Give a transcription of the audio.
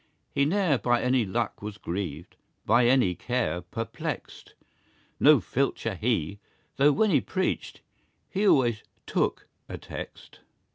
He ne'er by any luck was grieved, By any care perplexed No filcher he, though when he preached, He always "took" a text.